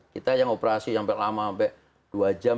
kita yang operasi sampai lama sampai dua jam